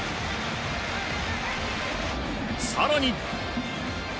更に。